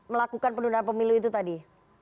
melakukan penundaan pemilu itu tadi